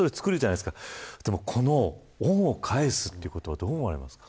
でも、この恩を返すという言葉どう思われますか。